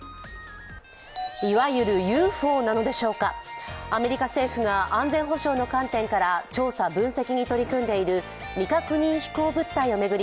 いわゆるＵＦＯなのでしょうか、アメリカ政府が安全保障の観点から調査・分析に取り組んでいる未確認飛行物体を巡り